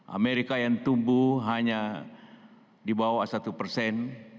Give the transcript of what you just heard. amerika yang tumbuh hanya di bawah satu persen